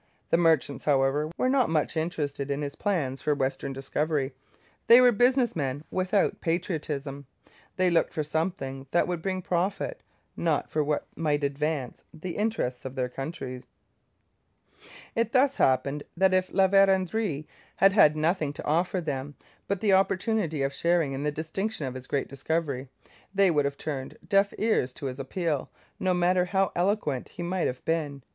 The merchants, however, were not much interested in his plans for western discovery. They were business men without patriotism; they looked for something that would bring profit, not for what might advance the interests of their country. It thus happened that if La Vérendrye had had nothing to offer them but the opportunity of sharing in the distinction of his great discovery, they would have turned deaf ears to his appeal, no matter how eloquent he might have been.